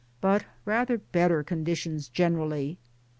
but rather better conditions generally.